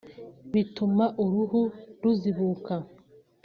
bituma uruhu ruzibuka